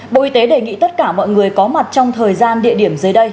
bộ y tế đề nghị tất cả mọi người có mặt trong thời gian địa điểm dưới đây